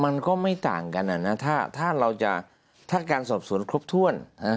มันก็ไม่ต่างกันถ้าการสอบสวนครบถ้วน